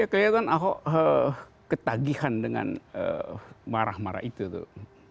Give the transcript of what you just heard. ya kelihatan aku ketagihan dengan marah marah itu tuh